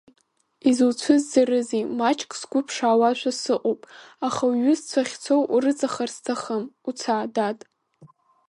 Изуцәызӡарызеи, маҷк сгәы ԥшаауашәа сыҟоуп, аха уҩызцәа ахьцо урыҵахар сҭахым, уца, дад.